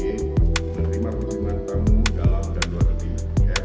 e menerima pertimbangan tamu dalam dan luar negeri